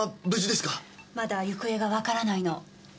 まだ行方がわからないの。